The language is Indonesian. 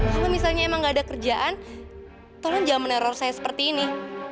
kalau misalnya emang gak ada kerjaan tolong jangan meneror saya seperti ini